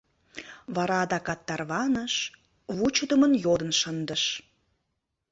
Вара адакат тарваныш, вучыдымын йодын шындыш: